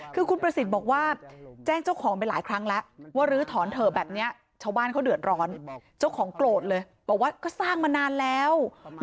คือคุณประสิทธิ์บอกว่าแจ้งเจ้าของไปหลายครั้งแล้ว